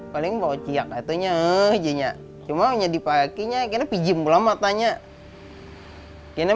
paling berhiaw aja cuma di pagi kita pijam pula matanya